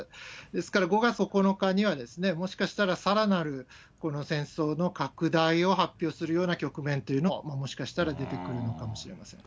ですから５月９日には、もしかしたらさらなるこの戦争の拡大を発表するような局面というのももしかしたら出てくるのかもしれません。